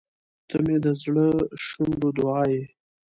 • ته مې د زړه شونډو دعا یې.